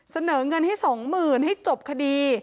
เสนอเงินให้สองหมื่นให้จบคดี